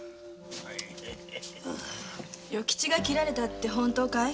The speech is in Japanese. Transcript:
与吉が切られたって本当かい？